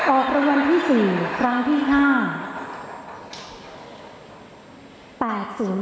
ออกรางวัลที่๔ครั้งที่๕๘๐